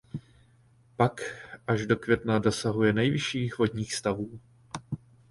Pak až do května dosahuje nejvyšších vodních stavů.